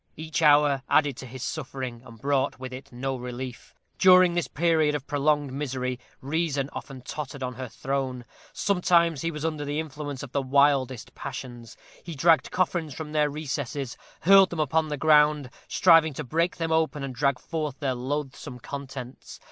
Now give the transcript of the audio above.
Each hour added to his suffering, and brought with it no relief. During this period of prolonged misery reason often tottered on her throne. Sometimes he was under the influence of the wildest passions. He dragged coffins from their recesses, hurled them upon the ground, striving to break them open and drag forth their loathsome contents.